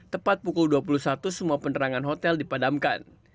tepat pukul dua puluh satu semua penerangan hotel dipadamkan